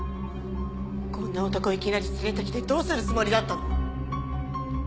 こんな男いきなり連れてきてどうするつもりだったの？